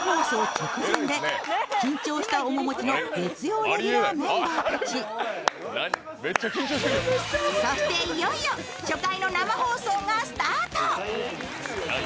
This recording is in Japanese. そして、いよいよ初回の生放送がスタート。